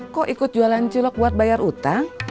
kok ikut jualan cilok buat bayar utang